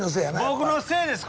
僕のせいです